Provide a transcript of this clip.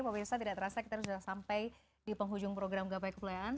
bapak ibu saya tidak terasa kita sudah sampai di penghujung program gapai kemuliahan